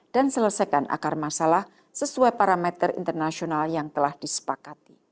dan selesaikan akar masalah sesuai parameter internasional yang telah disepakati